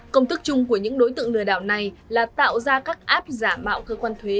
công tức chung của những đối tượng lừa đảo này là tạo ra các app giả mạo cơ quan thuế